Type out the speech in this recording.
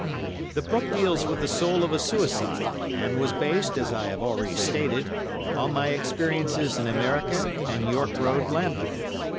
The book deals with the soul of a suicide, and was based, as I have already stated, on my experiences in America and York Road, Lambeth.